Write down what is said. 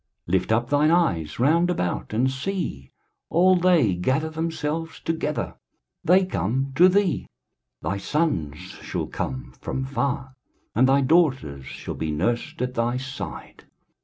23:060:004 Lift up thine eyes round about, and see: all they gather themselves together, they come to thee: thy sons shall come from far, and thy daughters shall be nursed at thy side.